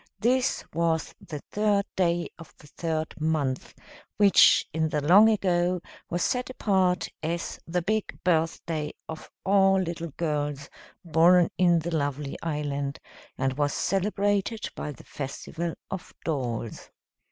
This was the third day of the third month, which in the long ago was set apart as the big birthday of all little girls born in the lovely island, and was celebrated by the Festival of Dolls.